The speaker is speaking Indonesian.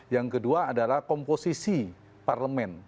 yang kedua adalah komposisi parlemen